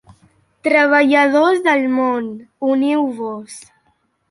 Treballadors del món, uniu-vos!